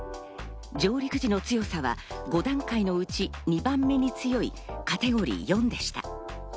上陸時の強さは５段階のうち２番目に強い、カテゴリー４でした。